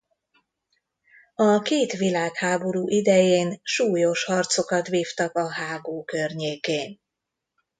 A két világháború idején súlyos harcokat vívtak a hágó környékén.